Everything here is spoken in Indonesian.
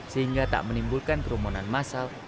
sehingga tak menimbulkan kerumunan masal